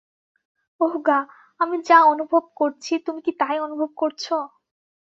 ওহগা, আমি যা অনুভব করছি তুমি কি তাই অনুভব করছো?